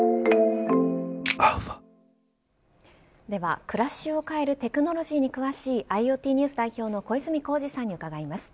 では、暮らしを変えるテクノロジーに詳しいＩｏＴＮＥＷＳ代表の小泉耕二さんに伺います。